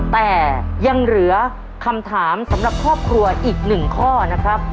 แต่ยังเหลือคำถามสำหรับครอบครัวอีก๑ข้อนะครับ